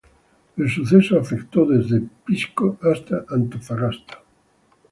El evento afectó desde Pisco hasta Antofagasta.